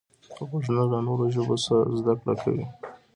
غوږونه له نوو ژبو زده کړه کوي